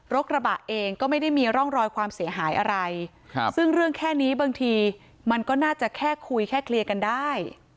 กระบะเองก็ไม่ได้มีร่องรอยความเสียหายอะไรซึ่งเรื่องแค่นี้บางทีมันก็น่าจะแค่คุยแค่เคลียร์กันได้